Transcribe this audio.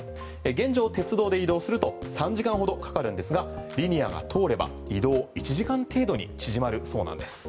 現状、鉄道で移動すると３時間ほどかかるんですがリニアが通れば移動１時間程度に縮まるそうなんです。